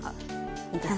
いいですね。